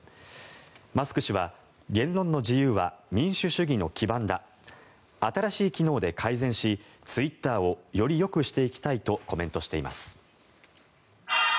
マスク氏は言論の自由は民主主義の基盤だ新しい機能で改善しツイッターをよりよくしていきたいとコメントしています。